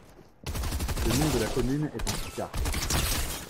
Le nom de la commune est en picard.